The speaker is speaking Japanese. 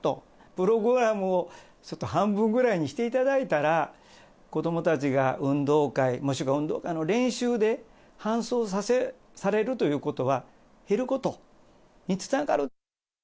プログラムをちょっと半分ぐらいにしていただいたら、子どもたちが運動会、もしくは運動会の練習で搬送されるということは減ることにつながる。